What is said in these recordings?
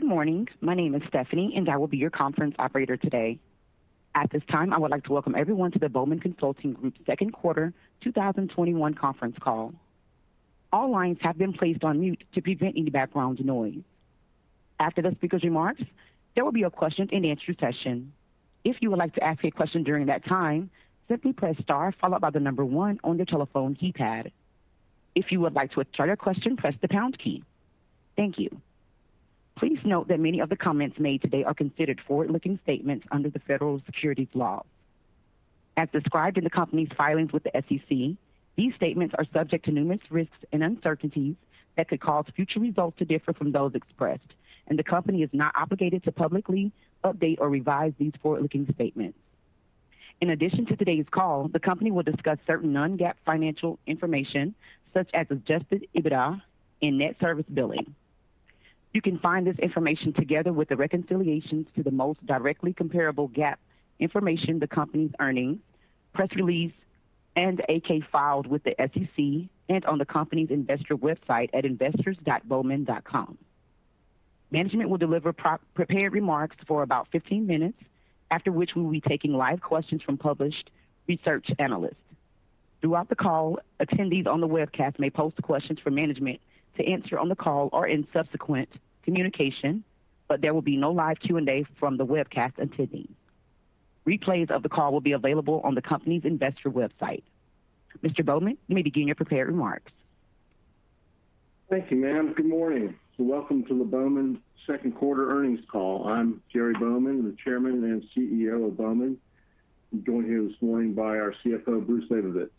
Good morning. My name is Stephanie, and I will be your conference operator today. At this time, I would like to welcome everyone to the Bowman Consulting Group Second Quarter 2021 Conference Call. All lines have been placed on mute to prevent any background noise. After the speakers' remarks, there will be a question and answer session. If you would like to ask a question during that time, simply press star followed by the number one on your telephone keypad. If you would like to withdraw your question, press the pound key. Thank you. Please note that many of the comments made today are considered forward-looking statements under the federal securities laws. As described in the company's filings with the SEC, these statements are subject to numerous risks and uncertainties that could cause future results to differ from those expressed, and the company is not obligated to publicly update or revise these forward-looking statements. In addition to today's call, the company will discuss certain non-GAAP financial information, such as adjusted EBITDA and net service billing. You can find this information together with the reconciliations to the most directly comparable GAAP information, the company's earnings, press release, and 8-K filed with the SEC and on the company's investor website at investors.bowman.com. Management will deliver prepared remarks for about 15 minutes, after which we will be taking live questions from published research analysts. Throughout the call, attendees on the webcast may post questions for management to answer on the call or in subsequent communication, but there will be no live Q&A from the webcast attendees. Replays of the call will be available on the company's investor website. Mr. Bowman, you may begin your prepared remarks. Thank you, ma'am. Good morning, and welcome to the Bowman second quarter earnings call. I'm Gary Bowman, the Chairman and Chief Executive Officer of Bowman. I'm joined here this morning by our CFO, Bruce Labovitz.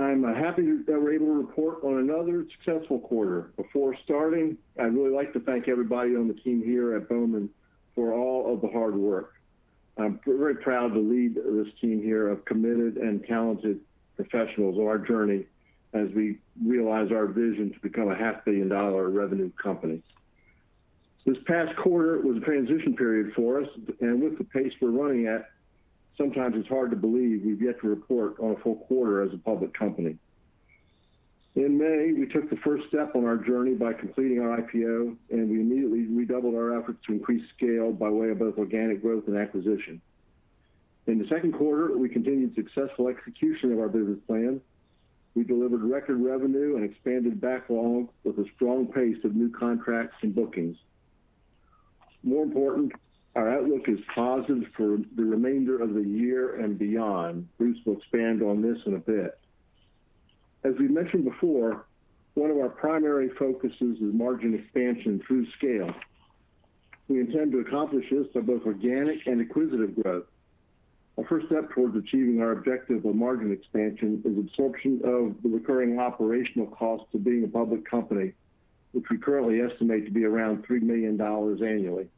I'm happy that we're able to report on another successful quarter. Before starting, I'd really like to thank everybody on the team here at Bowman for all of the hard work. I'm very proud to lead this team here of committed and talented professionals on our journey as we realize our vision to become a half-billion dollar revenue company. This past quarter was a transition period for us, and with the pace we're running at, sometimes it's hard to believe we've yet to report on a full quarter as a public company. In May, we took the first step on our journey by completing our IPO, and we immediately redoubled our efforts to increase scale by way of both organic growth and acquisition. In the second quarter, we continued successful execution of our business plan. We delivered record revenue and expanded backlog with a strong pace of new contracts and bookings. More important, our outlook is positive for the remainder of the year and beyond. Bruce will expand on this in a bit. As we mentioned before, one of our primary focuses is margin expansion through scale. We intend to accomplish this through both organic and acquisitive growth. Our first step towards achieving our objective of margin expansion is absorption of the recurring operational costs of being a public company, which we currently estimate to be around $3 million annually.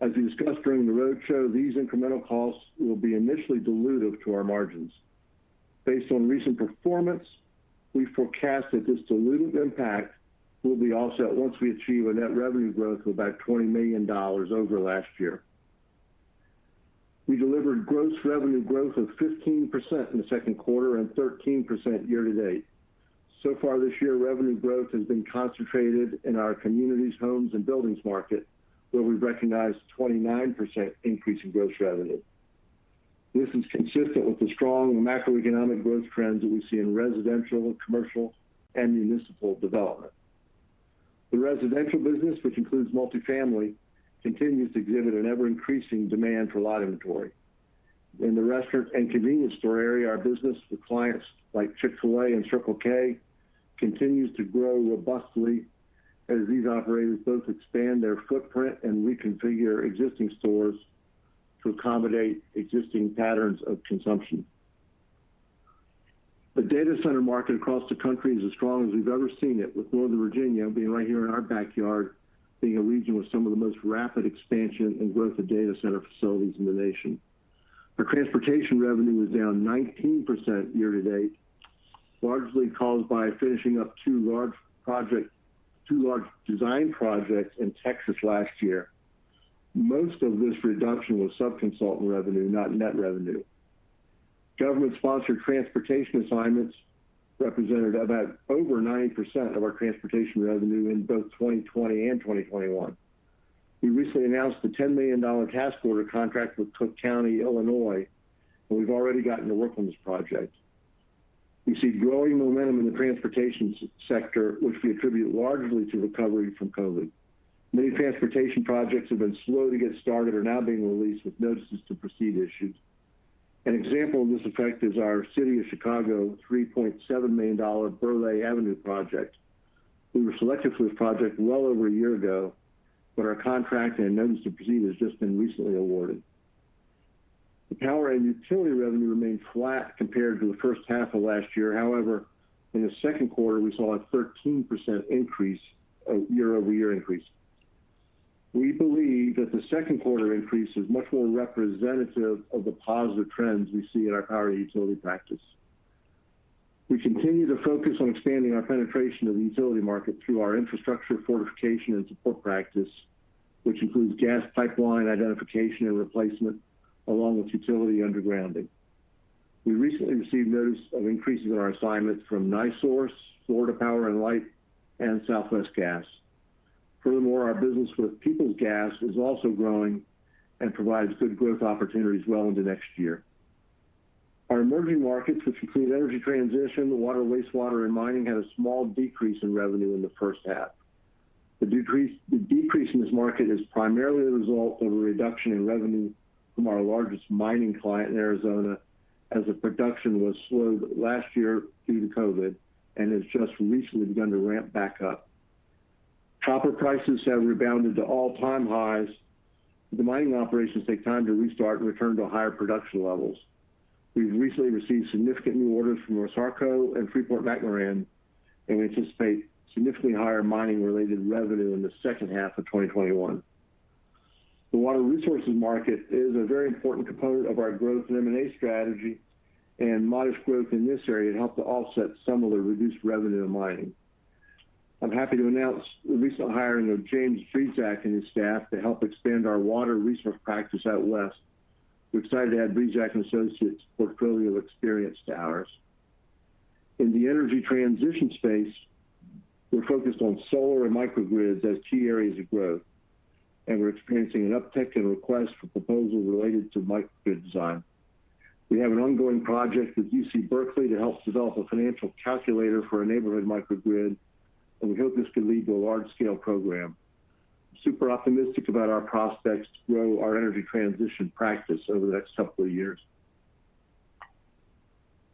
As we discussed during the roadshow, these incremental costs will be initially dilutive to our margins. Based on recent performance, we forecast that this dilutive impact will be offset once we achieve a net revenue growth of about $20 million over last year. We delivered gross revenue growth of 15% in the second quarter and 13% year-to-date. Far this year, revenue growth has been concentrated in our communities, homes, and buildings market, where we recognized 29% increase in gross revenue. This is consistent with the strong macroeconomic growth trends that we see in residential, commercial, and municipal development. The residential business, which includes multifamily, continues to exhibit an ever-increasing demand for lot inventory. In the restaurant and convenience store area, our business with clients like Chick-fil-A and Circle K continues to grow robustly as these operators both expand their footprint and reconfigure existing stores to accommodate existing patterns of consumption. The data center market across the country is as strong as we've ever seen it, with Northern Virginia being right here in our backyard, being a region with some of the most rapid expansion and growth of data center facilities in the nation. Our transportation revenue was down 19% year-to-date, largely caused by finishing up two large design projects in Texas last year. Most of this reduction was subconsultant revenue, not net revenue. Government-sponsored transportation assignments represented over 90% of our transportation revenue in both 2020 and 2021. We recently announced a $10 million task order contract with Cook County, Illinois, and we've already gotten to work on this project. We see growing momentum in the transportation sector, which we attribute largely to recovery from COVID. Many transportation projects that have been slow to get started are now being released with notices to proceed issues. An example of this effect is our City of Chicago $3.7 million Burley Avenue project. We were selected for this project well over a 1 year ago, but our contract and notice to proceed has just been recently awarded. The power and utility revenue remained flat compared to the first half of last year. However, in the second quarter, we saw a 13% year-over-year increase. We believe that the second quarter increase is much more representative of the positive trends we see in our power and utility practice. We continue to focus on expanding our penetration of the utility market through our infrastructure fortification and support practice, which includes gas pipeline identification and replacement, along with utility undergrounding. We recently received notice of increases in our assignments from NiSource, Florida Power & Light, and Southwest Gas. Furthermore, our business with Peoples Gas is also growing and provides good growth opportunities well into next year. Our emerging markets, which include energy transition, water, wastewater, and mining, had a small decrease in revenue in the first half. The decrease in this market is primarily a result of a reduction in revenue from our largest mining client in Arizona, as the production was slowed last year due to COVID and has just recently begun to ramp back up. Copper prices have rebounded to all-time highs, but the mining operations take time to restart and return to higher production levels. We've recently received significant new orders from ASARCO and Freeport-McMoRan, we anticipate significantly higher mining-related revenue in the second half of 2021. The water resources market is a very important component of our growth and M&A strategy, modest growth in this area helped to offset some of the reduced revenue in mining. I'm happy to announce the recent hiring of Jim Brezack and his staff to help expand our water resource practice out west. We're excited to add Brezack and Associates' portfolio of experience to ours. In the energy transition space, we're focused on solar and microgrids as key areas of growth, we're experiencing an uptick in requests for proposals related to microgrid design. We have an ongoing project with UC Berkeley to help develop a financial calculator for a neighborhood microgrid, we hope this can lead to a large-scale program. Super optimistic about our prospects to grow our energy transition practice over the next couple of years.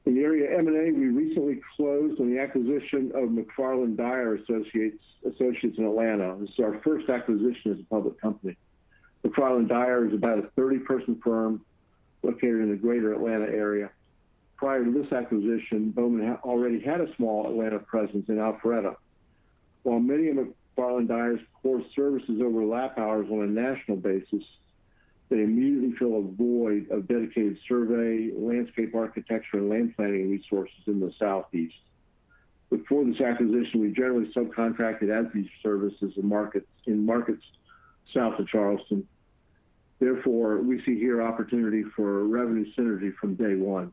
In the area of M&A, we recently closed on the acquisition of McFarland-Dyer & Associates in Atlanta. This is our first acquisition as a public company. McFarland-Dyer is about a 30-person firm located in the greater Atlanta area. Prior to this acquisition, Bowman already had a small Atlanta presence in Alpharetta. While many of McFarland-Dyer's core services overlap ours on a national basis, they immediately fill a void of dedicated survey, landscape architecture, and land planning resources in the Southeast. Before this acquisition, we generally subcontracted out these services in markets south of Charleston. Therefore, we see here opportunity for revenue synergy from day one.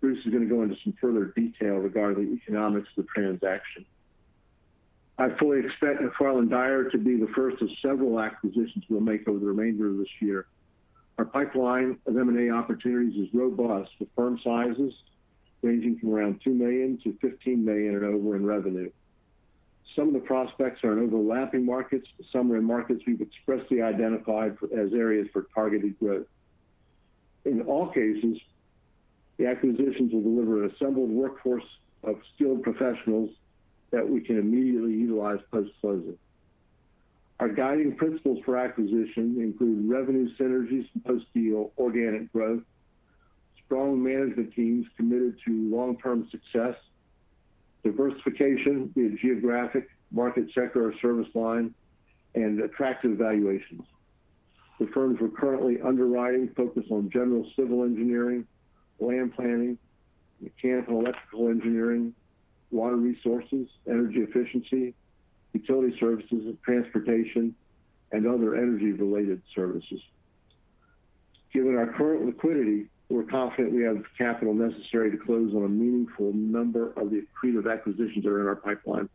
Bruce is going to go into some further detail regarding the economics of the transaction. I fully expect McFarland-Dyer to be the first of several acquisitions we'll make over the remainder of this year. Our pipeline of M&A opportunities is robust, with firm sizes ranging from around $2 million-$15 million and over in revenue. Some of the prospects are in overlapping markets. Some are in markets we've expressly identified as areas for targeted growth. In all cases, the acquisitions will deliver an assembled workforce of skilled professionals that we can immediately utilize post-closing. Our guiding principles for acquisition include revenue synergies and post-deal organic growth, strong management teams committed to long-term success, diversification via geographic, market sector, or service line, and attractive valuations. The firms we're currently underwriting focus on general civil engineering, land planning, mechanical and electrical engineering, water resources, energy efficiency, utility services and transportation, and other energy-related services. Given our current liquidity, we're confident we have the capital necessary to close on a meaningful number of the accretive acquisitions that are in our pipeline.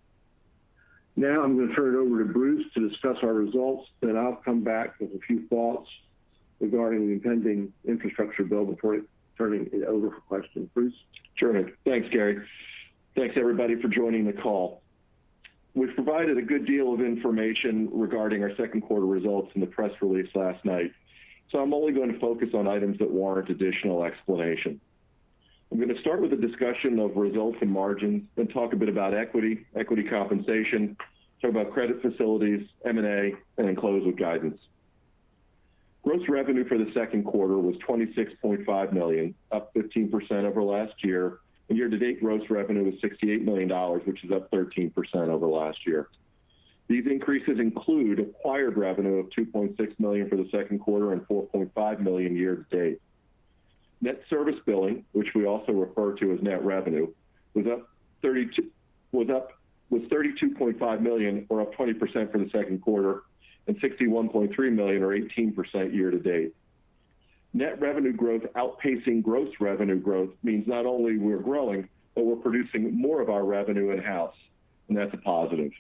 I'm going to turn it over to Bruce to discuss our results. I'll come back with a few thoughts regarding the impending infrastructure bill before turning it over for questions. Bruce? Sure. Thanks, Gary. Thanks, everybody, for joining the call. We've provided a good deal of information regarding our second quarter results in the press release last night. I'm only going to focus on items that warrant additional explanation. I'm going to start with a discussion of results and margins. Talk a bit about equity compensation. Talk about credit facilities, M&A. Close with guidance. Gross revenue for the second quarter was $26.5 million, up 15% over last year. Year-to-date gross revenue was $68 million, which is up 13% over last year. These increases include acquired revenue of $2.6 million for the second quarter and $4.5 million year-to-date. Net service billing, which we also refer to as net revenue, was $32.5 million, or up 20% from the second quarter, and $61.3 million or 18% year-to-date. Net revenue growth outpacing gross revenue growth means not only we're growing, but we're producing more of our revenue in-house, and that's a positive.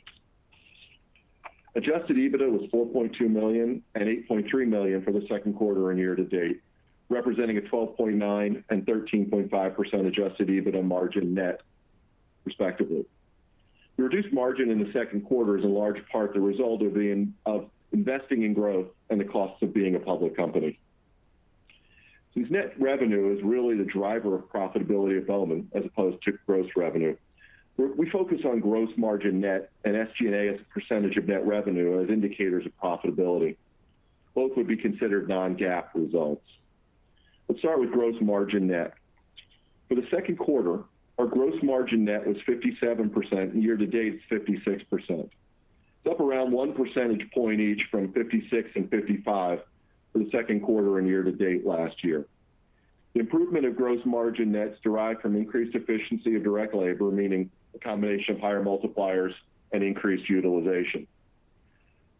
Adjusted EBITDA was $4.2 million and $8.3 million for the second quarter and year to date, representing a 12.9% and 13.5% adjusted EBITDA margin net respectively. The reduced margin in the second quarter is in large part the result of investing in growth and the costs of being a public company. Since net revenue is really the driver of profitability at Bowman as opposed to gross revenue, we focus on gross margin, net and SG&A as a percentage of net revenue as indicators of profitability. Both would be considered non-GAAP results. Let's start with gross margin, net. For the second quarter, our gross margin, net was 57%, and year to date it's 56%. It's up around 1 percentage point each from 56% and 55% for the second quarter and year-to-date last year. The improvement of gross margin, net's derived from increased efficiency of direct labor, meaning a combination of higher multipliers and increased utilization.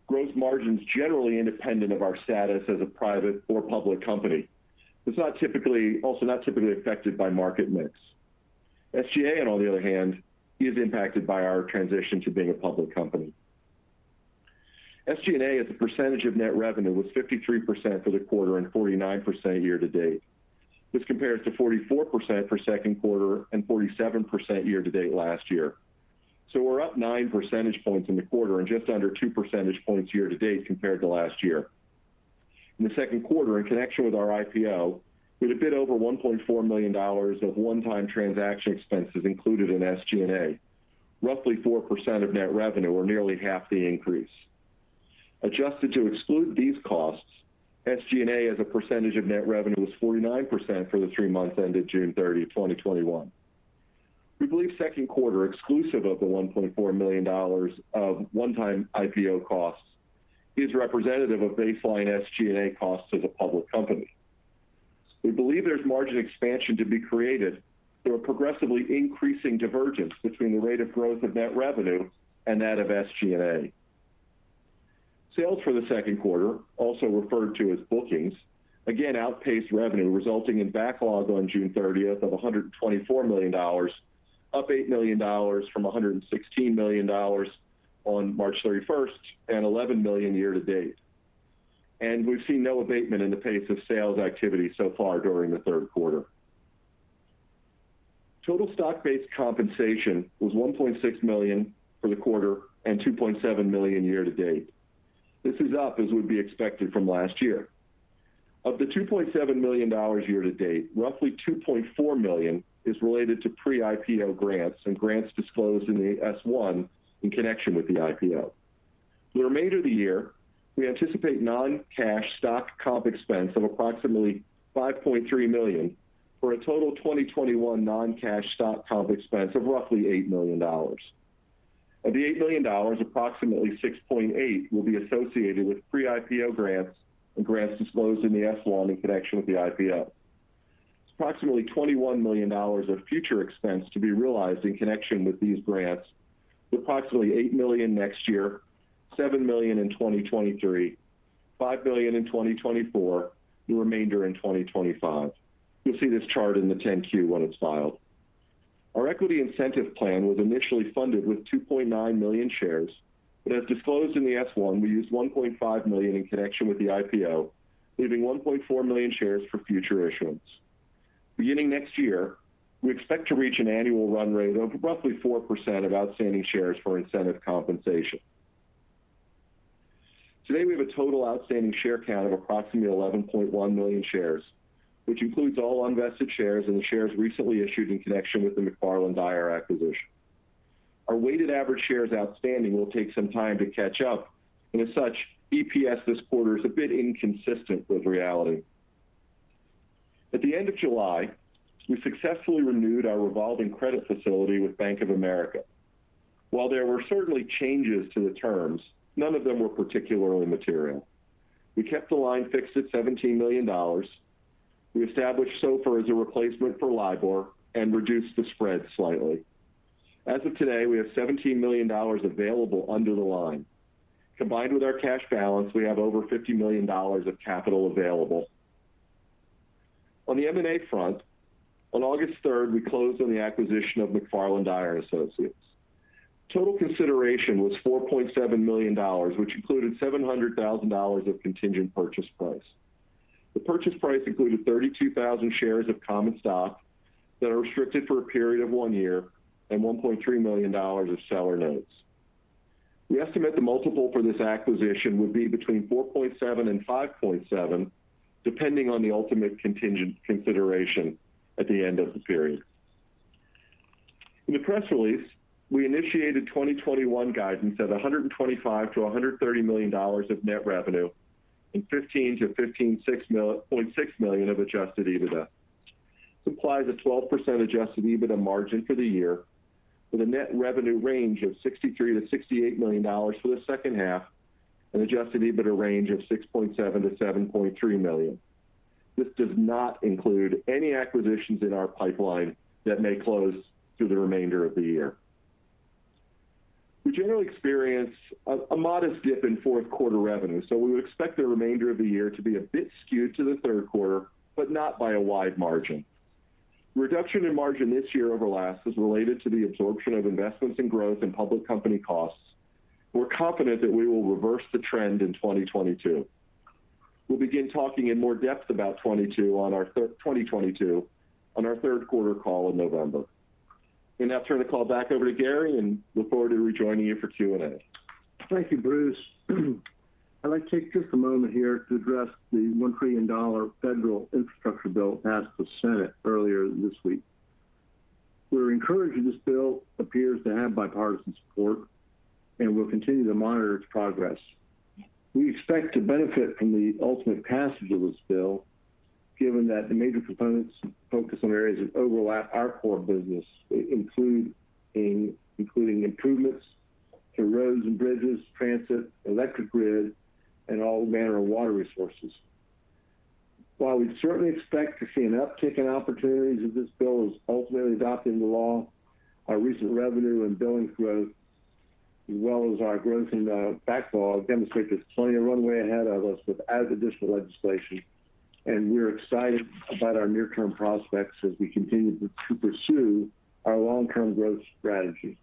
Gross margins generally independent of our status as a private or public company. It's also not typically affected by market mix. SG&A on the other hand, is impacted by our transition to being a public company. SG&A as a percentage of net revenue was 53% for the quarter and 49% year to date. This compares to 44% for second quarter and 47% year to date last year. We're up 9 percentage points in the quarter and just under 2 percentage points year to date compared to last year. In the second quarter, in connection with our IPO, we had a bit over $1.4 million of one-time transaction expenses included in SG&A. Roughly 4% of net revenue or nearly half the increase. Adjusted to exclude these costs, SG&A as a percentage of net revenue was 49% for the three months ended June 30, 2021. We believe second quarter exclusive of the $1.4 million of one-time IPO costs is representative of baseline SG&A costs as a public company. We believe there's margin expansion to be created through a progressively increasing divergence between the rate of growth of net revenue and that of SG&A. Sales for the second quarter, also referred to as bookings, again outpaced revenue resulting in backlog on June 30 of $124 million, up $8 million from $116 million on March 31 and $11 million year-to-date. We've seen no abatement in the pace of sales activity so far during the third quarter. Total stock-based compensation was $1.6 million for the quarter and $2.7 million year to date. This is up as would be expected from last year. Of the $2.7 million year to date, roughly $2.4 million is related to pre-IPO grants and grants disclosed in the S-1 in connection with the IPO. For the remainder of the year, we anticipate non-cash stock comp expense of approximately $5.3 million for a total 2021 non-cash stock comp expense of roughly $8 million. Of the $8 million, approximately $6.8 million will be associated with pre-IPO grants and grants disclosed in the S-1 in connection with the IPO. It's approximately $21 million of future expense to be realized in connection with these grants, with approximately $8 million next year, $7 million in 2023, $5 million in 2024, the remainder in 2025. You'll see this chart in the 10-Q when it's filed. Our equity incentive plan was initially funded with 2.9 million shares, but as disclosed in the S-1, we used 1.5 million in connection with the IPO, leaving 1.4 million shares for future issuance. Beginning next year, we expect to reach an annual run rate of roughly 4% of outstanding shares for incentive compensation. Today we have a total outstanding share count of approximately 11.1 million shares, which includes all unvested shares and the shares recently issued in connection with the McFarland-Dyer acquisition. Our weighted average shares outstanding will take some time to catch up. As such, EPS this quarter is a bit inconsistent with reality. At the end of July, we successfully renewed our revolving credit facility with Bank of America. While there were certainly changes to the terms, none of them were particularly material. We kept the line fixed at $17 million. We established SOFR as a replacement for LIBOR and reduced the spread slightly. As of today, we have $17 million available under the line. Combined with our cash balance, we have over $50 million of capital available. On the M&A front, on August 3rd, we closed on the acquisition of McFarland Dyer & Associates. Total consideration was $4.7 million, which included $700,000 of contingent purchase price. The purchase price included 32,000 shares of common stock that are restricted for a period of one year and $1.3 million of seller notes. We estimate the multiple for this acquisition would be between 4.7x and 5.7x, depending on the ultimate contingent consideration at the end of the period. In the press release, we initiated 2021 guidance of $125 million-$130 million of net revenue and $15 million-$15.6 million of adjusted EBITDA. This implies a 12% adjusted EBITDA margin for the year with a net revenue range of $63 million-$68 million for the second half and adjusted EBITDA range of $6.7 million-$7.3 million. This does not include any acquisitions in our pipeline that may close through the remainder of the year. We generally experience a modest dip in fourth quarter revenue, so we would expect the remainder of the year to be a bit skewed to the third quarter, but not by a wide margin. Reduction in margin this year over last is related to the absorption of investments in growth and public company costs. We're confident that we will reverse the trend in 2022. We'll begin talking in more depth about 2022 on our third quarter call in November. We now turn the call back over to Gary and look forward to rejoining you for Q&A. Thank you, Bruce. I'd like to take just a moment here to address the $1 trillion federal infrastructure bill passed the Senate earlier this week. We're encouraged that this bill appears to have bipartisan support and will continue to monitor its progress. We expect to benefit from the ultimate passage of this bill given that the major components focus on areas that overlap our core business including improvements to roads and bridges, transit, electric grid, and all manner of water resources. While we certainly expect to see an uptick in opportunities if this bill is ultimately adopted into law, our recent revenue and billings growth, as well as our growth in the backlog, demonstrate there's plenty of runway ahead of us without additional legislation, and we're excited about our near-term prospects as we continue to pursue our long-term growth strategy.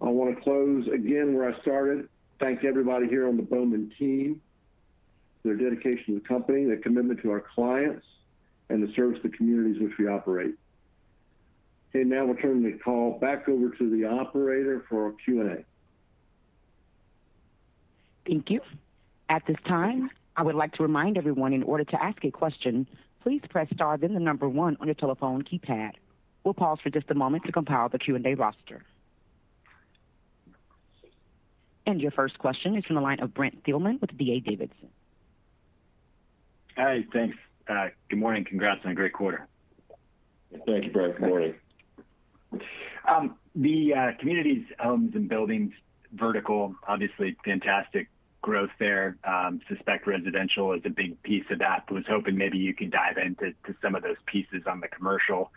I want to close again where I started. Thank everybody here on the Bowman team, their dedication to the company, their commitment to our clients, and the service to the communities which we operate. Now we'll turn the call back over to the operator for Q&A. Thank you. At this time, I would like to remind everyone, in order to ask a question, please press star, then the one on your telephone keypad. We'll pause for just a moment to compile the Q&A roster. Your first question is from the line of Brent Thielman with D.A. Davidson. Hi. Thanks. Good morning. Congrats on a great quarter. Thank you, Brent. Good morning. The communities, homes, and buildings vertical, obviously fantastic growth there. I suspect residential is a big piece of that, but was hoping maybe you could dive into some of those pieces on the commercial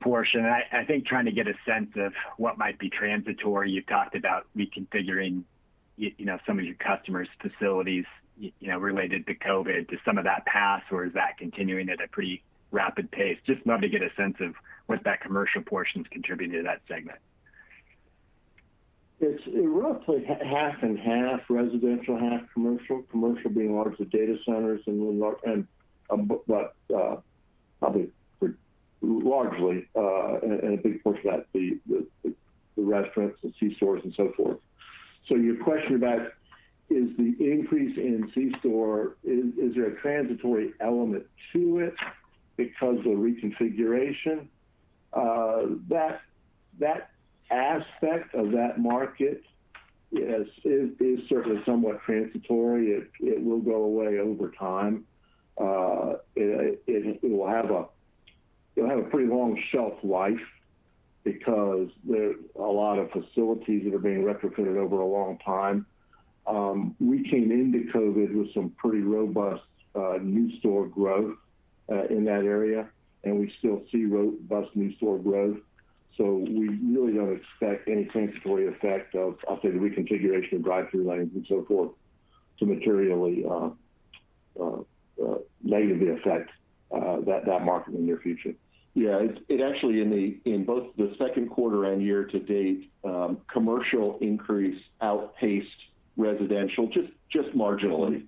portion. I think trying to get a sense of what might be transitory. You've talked about reconfiguring some of your customers' facilities related to COVID. Does some of that pass or is that continuing at a pretty rapid pace? Just wanting to get a sense of what that commercial portion is contributing to that segment. It's roughly half and half residential, half commercial. Commercial being a lot of the data centers, probably largely, and a big portion of that, the restaurants, the C-stores, and so forth. Your question about is the increase in C-store, is there a transitory element to it because of reconfiguration? That aspect of that market is certainly somewhat transitory. It will go away over time. It'll have a pretty long shelf life because there are a lot of facilities that are being retrofitted over a long time. We came into COVID with some pretty robust new store growth in that area, and we still see robust new store growth. We really don't expect any transitory effect of, I'll say, the reconfiguration of drive-thru lanes and so forth to materially negatively affect that market in the near future. Yeah. It actually, in both the second quarter and year to date, commercial increase outpaced residential just marginally.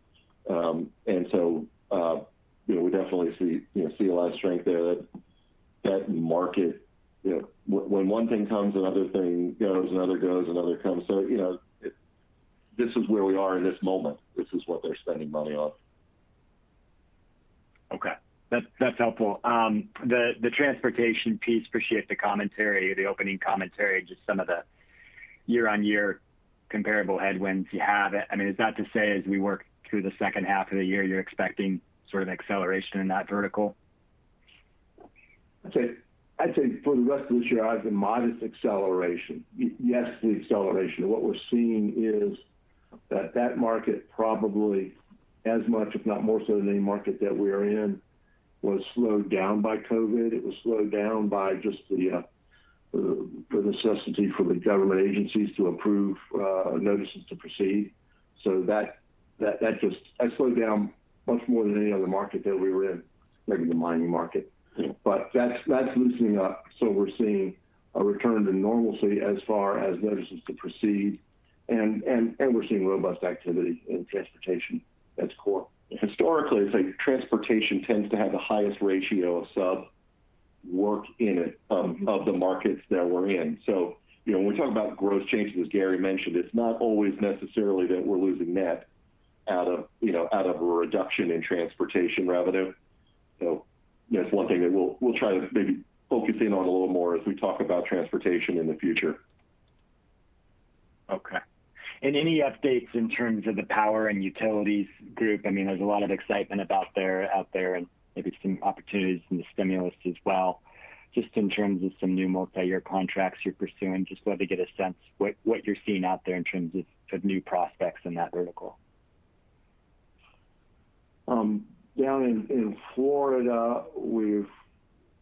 We definitely see a lot of strength there. That market, when one thing comes, another thing goes, another goes, another comes. This is where we are in this moment. This is what they're spending money on. Okay. That's helpful. The transportation piece, appreciate the opening commentary, just some of the year-on-year comparable headwinds you have. Is that to say, as we work through the second half of the year, you're expecting sort of acceleration in that vertical? I'd say for the rest of this year, I have the modest acceleration. Yes to the acceleration. What we're seeing is that that market probably as much, if not more so than any market that we are in, was slowed down by COVID. It was slowed down by just the necessity for the government agencies to approve notices to proceed. That slowed down much more than any other market that we were in. Maybe the mining market. That's loosening up, so we're seeing a return to normalcy as far as notices to proceed, and we're seeing robust activity in transportation at its core. Historically, I'd say transportation tends to have the highest ratio of sub work in it of the markets that we're in. When we talk about growth changes, as Gary mentioned, it's not always necessarily that we're losing net out of a reduction in transportation revenue. That's one thing that we'll try to maybe focus in on a little more as we talk about transportation in the future. Okay. Any updates in terms of the power and utilities group? There's a lot of excitement out there, and maybe some opportunities in the stimulus as well. Just in terms of some new multi-year contracts you're pursuing, just wanted to get a sense what you're seeing out there in terms of new prospects in that vertical. Down in Florida, we're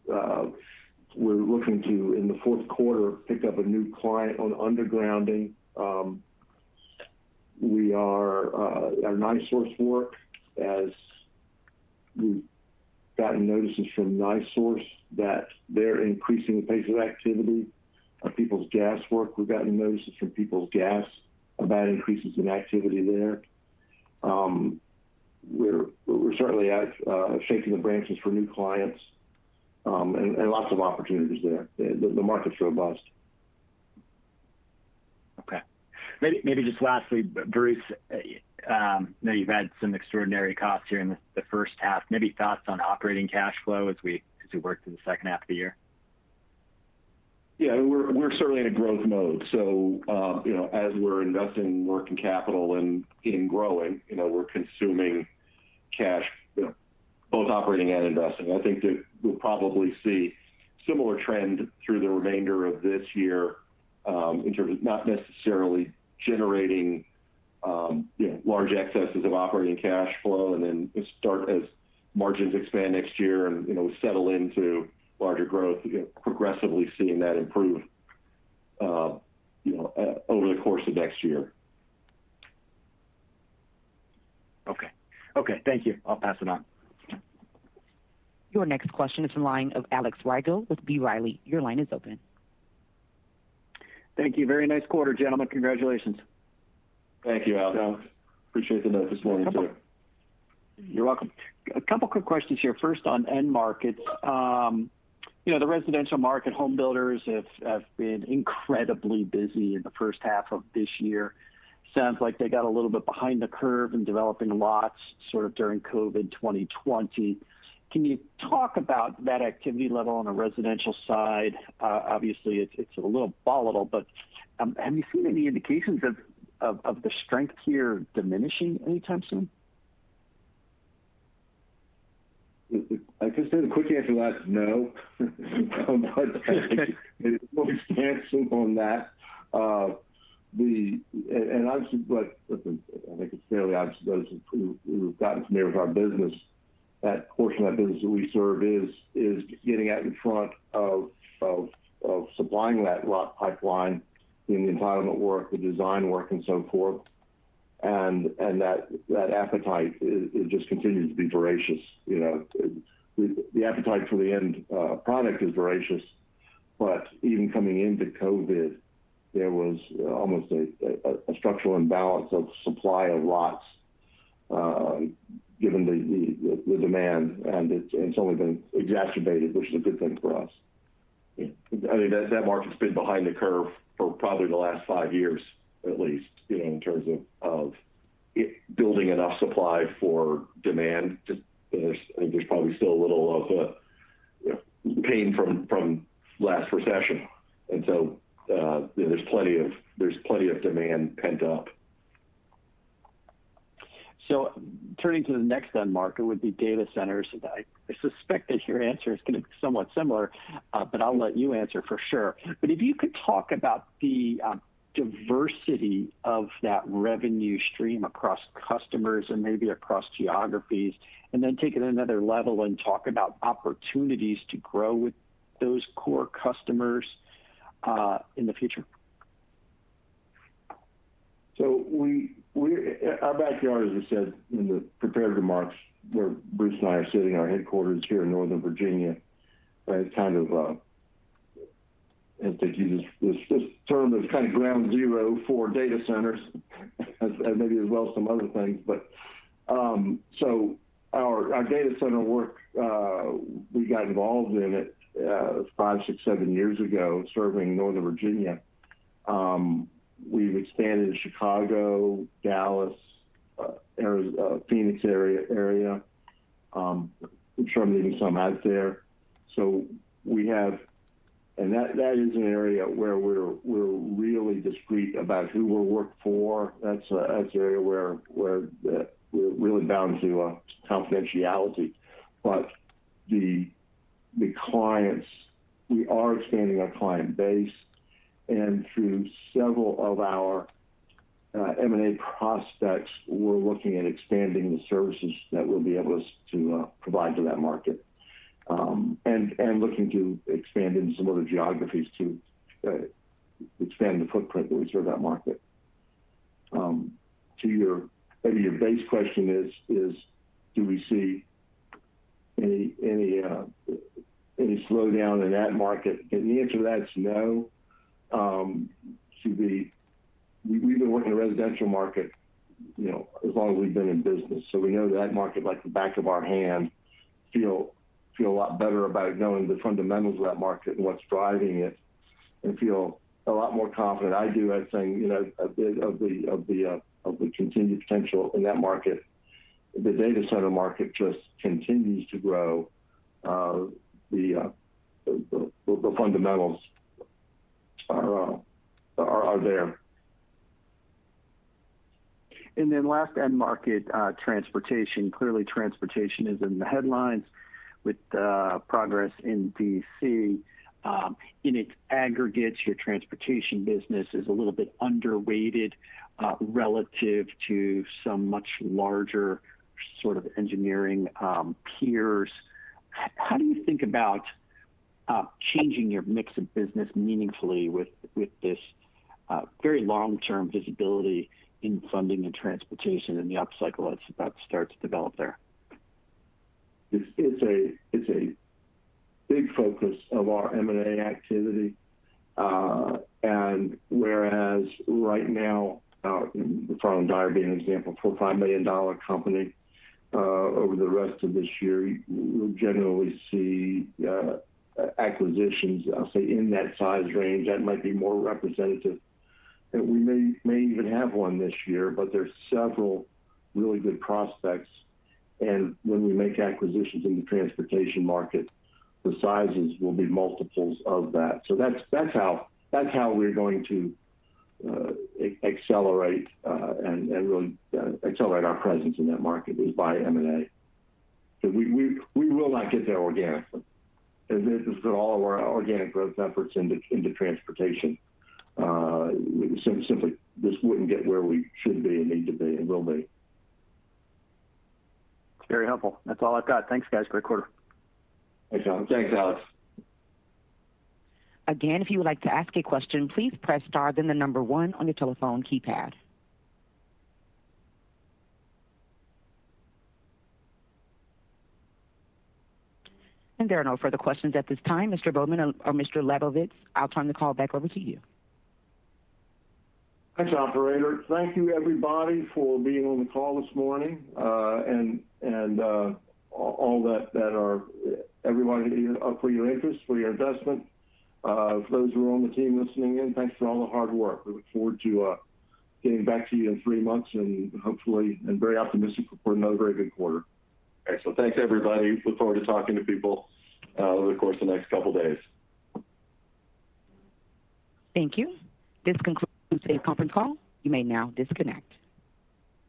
looking to, in the 4th quarter, pick up a new client on undergrounding. Our NiSource work, as we've gotten notices from NiSource that they're increasing the pace of activity. Our Peoples Gas work, we've gotten notices from Peoples Gas about increases in activity there. We're certainly out shaking the branches for new clients. Lots of opportunities there. The market's robust. Okay. Maybe just lastly, Bruce, I know you've had some extraordinary costs here in the first half. Maybe thoughts on operating cash flow as we work through the second half of the year? Yeah. We're certainly in a growth mode. As we're investing in working capital and in growing, we're consuming cash, both operating and investing. I think that we'll probably see similar trend through the remainder of this year. In terms of not necessarily generating large excesses of operating cash flow, and then as margins expand next year and we settle into larger growth, progressively seeing that improve over the course of next year. Okay. Thank you. I'll pass it on. Your next question is in line of Alex Rygiel with B. Riley. Your line is open. Thank you. Very nice quarter, gentlemen. Congratulations. Thank you, Alex. Appreciate the note this morning, too. You're welcome. A couple quick questions here. First on end markets. The residential market home builders have been incredibly busy in the first half of this year. Sounds like they got a little bit behind the curve in developing lots sort of during COVID 2020. Can you talk about that activity level on the residential side? Obviously, it's a little volatile, but have you seen any indications of the strength here diminishing anytime soon? I can say the quick answer to that is no. We can't assume on that. I think it's fairly obvious to those who have gotten familiar with our business, that portion of the business that we serve is getting out in front of supplying that lot pipeline in the entitlement work, the design work, and so forth, and that appetite, it just continues to be voracious. The appetite for the end product is voracious. Even coming into COVID, there was almost a structural imbalance of supply of lots given the demand, and it's only been exacerbated, which is a good thing for us. That market's been behind the curve for probably the last five years, at least, in terms of building enough supply for demand. There's probably still a little of a pain from last recession. There's plenty of demand pent up. Turning to the next end market would be data centers. I suspect that your answer is going to be somewhat similar, but I'll let you answer for sure. If you could talk about the diversity of that revenue stream across customers and maybe across geographies, and then take it another level and talk about opportunities to grow with those core customers in the future. Our backyard, as we said in the prepared remarks, where Bruce and I are sitting, our headquarters here in Northern Virginia, it's kind of, I have to use this term, is kind of ground zero for data centers and maybe as well as some other things. Our data center work, we got involved in it five, six, seven years ago, serving Northern Virginia. We've expanded to Chicago, Dallas, Phoenix area. I'm sure I'm leaving some out there. That is an area where we're really discreet about who we'll work for. That's an area where we're really bound to confidentiality. The clients, we are expanding our client base, and through several of our M&A prospects, we're looking at expanding the services that we'll be able to provide to that market. Looking to expand into some other geographies to expand the footprint that we serve that market. Maybe your base question is: Do we see any slowdown in that market? The answer to that is no. We've been working the residential market as long as we've been in business. We know that market like the back of our hand, feel a lot better about knowing the fundamentals of that market and what's driving it, and feel a lot more confident. I do, at saying, a bit of the continued potential in that market. The data center market just continues to grow. The fundamentals are there. Last end market, transportation. Clearly, transportation is in the headlines with progress in D.C. In its aggregates, your transportation business is a little bit underweighted relative to some much larger sort of engineering peers. How do you think about changing your mix of business meaningfully with this very long-term visibility in funding and transportation and the upcycle that's about to start to develop there? It's a big focus of our M&A activity. Whereas right now, with McFarland-Dyer being an example, $4 million-$5 million company. Over the rest of this year, we'll generally see acquisitions, I'll say, in that size range. That might be more representative. We may even have one this year, but there's several really good prospects. When we make acquisitions in the transportation market, the sizes will be multiples of that. That's how we're going to accelerate and really accelerate our presence in that market, is by M&A. We will not get there organically. If we put all of our organic growth efforts into transportation, simply just wouldn't get where we should be and need to be and will be. It's very helpful. That's all I've got. Thanks, guys. Great quarter. Thanks, Alex. If you would like to ask a question, please press star, then the number one on your telephone keypad. There are no further questions at this time. Mr. Bowman or Mr. Labovitz, I'll turn the call back over to you. Thanks, operator. Thank you everybody for being on the call this morning, and everyone for your interest, for your investment. For those who are on the team listening in, thanks for all the hard work. We look forward to getting back to you in three months and hopefully, I'm very optimistic for another very good quarter. Excellent. Thanks everybody. Look forward to talking to people over the course of the next couple of days. Thank you. This concludes today's conference call. You may now disconnect.